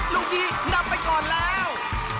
ลูกพี่นับไปก่อนแล้ว